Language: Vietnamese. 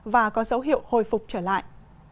và có dấu hiệu hồi phục trở lại